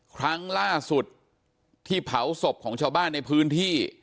ครั้งล่าสุดที่เผาศพของชาวบ้านในพื้นที่